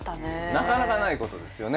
なかなかないことですよね